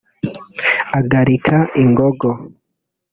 agarika Ingogo